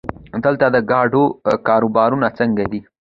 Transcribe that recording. دلته د ګاډو کاروبار څنګه دی؟